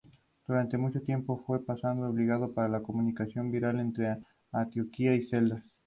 Durante mucho tiempo fue paso obligado para la comunicación vial entre Antioquia y Caldas.